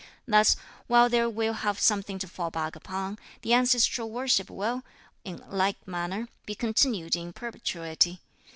Thus, while they will have something to fall back upon, the ancestral worship will, in like manner, be continued in perpetuity.